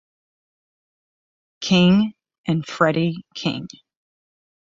King and Freddie King.